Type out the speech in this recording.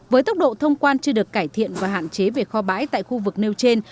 với tốc độ thông quan chưa được cải thiện và hạn chế về kho bãi tại khu vực nêu trên